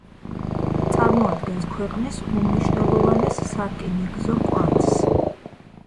წარმოადგენს ქვეყნის უმნიშვნელოვანეს სარკინიგზო კვანძს.